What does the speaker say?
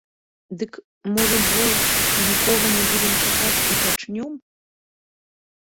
Дык, можа, больш нікога не будзем чакаць і пачнём?